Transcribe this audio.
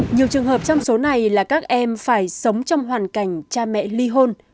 nhiều trường hợp trong số này là các em phải sống trong hoàn cảnh cha mẹ ly hôn